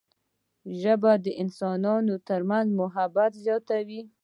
ژبه د انسانانو ترمنځ محبت زیاتوي